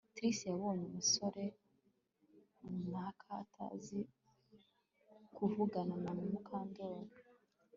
Trix yabonye umusore runaka atazi kuvugana na Mukandoli